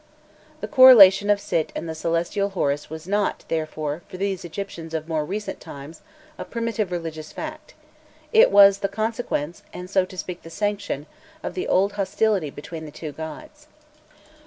The correlation of Sit and the celestial Horus was not, therefore, for these Egyptians of more recent times a primitive religious fact; it was the consequence, and so to speak the sanction, of the old hostility between the two gods.